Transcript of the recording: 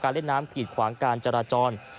เล่นน้ำกีดขวางการจราจร